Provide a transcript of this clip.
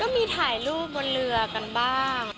มีถ่ายรูปบนเรือกันบ้าง